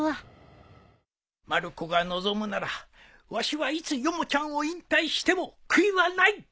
まる子が望むならわしはいつヨモちゃんを引退しても悔いはない！